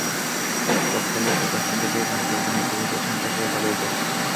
ককটেলের বিকট শব্দ পেয়ে বাড়ির লোকজন এগিয়ে এলে সন্ত্রাসীরা পালিয়ে যায়।